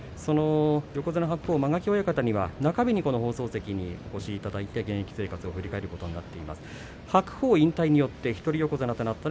横綱白鵬、間垣親方には中日に放送席のお越しいただいて現役生活を振り返っていただくことになります。